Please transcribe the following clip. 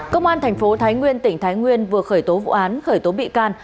công an thành phố thái nguyên tỉnh thái nguyên vừa khởi tố vụ án khởi tố bị can